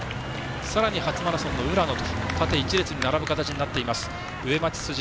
さらに初マラソンの浦野と並ぶ形になっています。